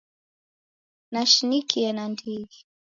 Nashinikie nandighi.